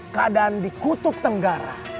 kadaan di kutub tenggara